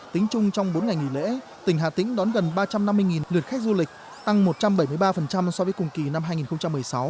tính chung trong bốn ngày nghỉ lễ tỉnh hà tĩnh đón gần ba trăm năm mươi lượt khách du lịch tăng một trăm bảy mươi ba so với cùng kỳ năm hai nghìn một mươi sáu